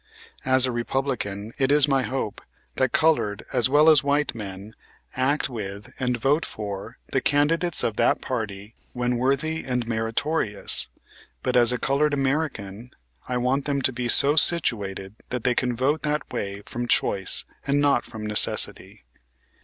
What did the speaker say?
As a Republican, it is my hope that colored as well as white men, act with and vote for the candidates of that party when worthy and meritorious, but as a colored American, I want them to be so situated that they can vote that way from choice and not from necessity.